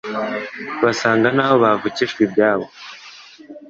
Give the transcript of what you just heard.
basaga n'aho bavukijwe ibyabo